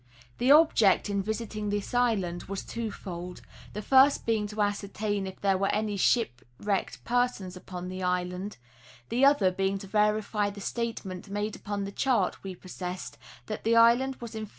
The object in visiting this island was twofold, the first being to ascertain if there were any shipwrecked persons upon the island, the other being to verify the statement made upon the chart we possessed that the island was infested with polar bears.